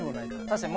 確かに。